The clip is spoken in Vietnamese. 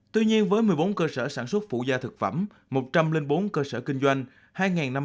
tuy nhiên với một mươi bốn cơ sở sản xuất phụ gia thực phẩm một trăm linh bốn cơ sở kinh doanh